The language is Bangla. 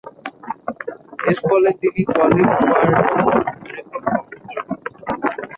এরফলে, তিনি কলিন মানরো’র রেকর্ড ভঙ্গ করেন।